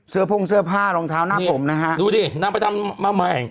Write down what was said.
เสื้อโพงเสื้อผ้ารองเท้าหน้าตมนะฮะดูดินางไปทำมาแม่ง